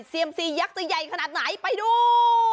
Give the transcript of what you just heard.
เซียมซียักษ์จะใหญ่ขนาดไหนไปดู